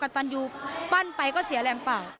ใช่ค่ะ